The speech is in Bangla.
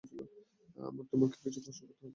আমার তোমাকে কিছু প্রশ্ন করতে হবে।